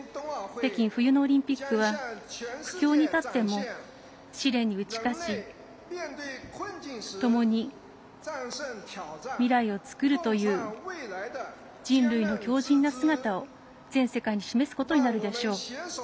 北京冬のオリンピックは苦境に立っても試練に打ち勝ちともに未来を作るという人類の強じんな姿を全世界に示すことになるでしょう。